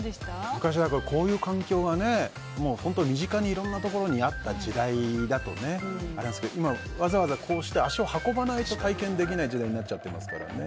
昔こういう環境が身近にいろんなところにあった時代でしたけど今、わざわざこうして足を運ばないと体験できない時代になっちゃってますからね。